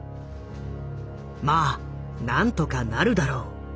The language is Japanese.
「まあなんとかなるだろう」。